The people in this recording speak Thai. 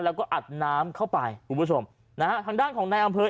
แล้วก็อัดน้ำเข้าไปคุณผู้ชมนะฮะทางด้านของนายอำเภอ